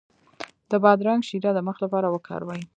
د بادرنګ شیره د مخ لپاره وکاروئ